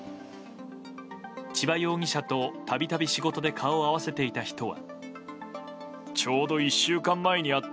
千葉容疑者と度々仕事で顔を合わせていた人は。